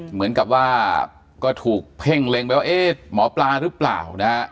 เหมือนกับว่าก็ถูกเพ่งเล็งไปว่าเอ๊ะหมอปลาหรือเปล่านะฮะ